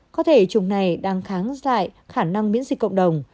có thể chủng này đang kháng dại khả năng miễn dịch cộng đồng